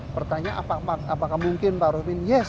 pertanyaan apakah mungkin pak rufin yes